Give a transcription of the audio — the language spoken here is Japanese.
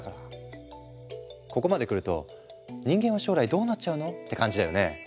ここまでくると人間は将来どうなっちゃうの？って感じだよね？